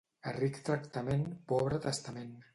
A ric tractament, pobre testament.